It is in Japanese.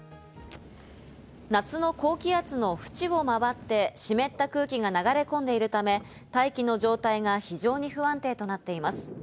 夏の高気圧の縁を回って湿った空気が流れ込んでいるため、大気の状態が非常に不安定となっています。